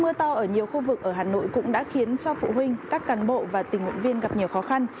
mưa to ở nhiều khu vực ở hà nội cũng đã khiến cho phụ huynh các cán bộ và tình nguyện viên gặp nhiều khó khăn